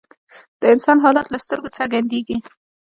د انسان حالت له سترګو څرګندیږي